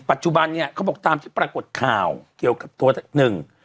ปัจจุบันเนี้ยเขาบอกตามที่ปรากฏข่าวเกี่ยวกับตัวหนึ่ง